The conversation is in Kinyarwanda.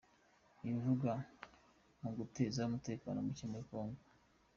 Ibivugwa muguteza umutekano muke muri Congo